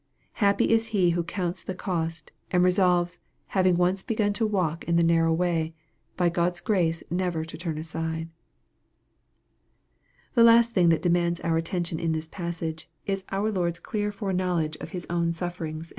Happy is he who counts the cost, and resolves, having once begun to walk in the narrow way, by God's grace never to turn aside. The last thing that demands our attention in this pas sage, is our Lord's clear foreknowledge of His own sufferings MARK, CHAP.